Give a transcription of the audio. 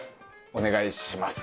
お願いします。